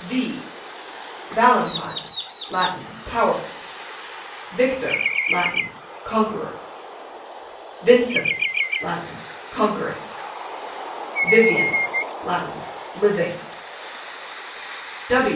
V Valentine, Latin, powerful. Victor, Latin, conqueror. Vincent, Latin, conquering. Vivian, Latin, living.